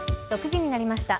６時になりました。